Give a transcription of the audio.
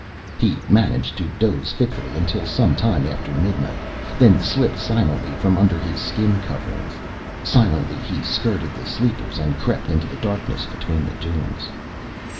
He managed to doze fitfully until some time after midnight, then slipped silently from under his skin coverings. Silently he skirted the sleepers and crept into the darkness between the dunes.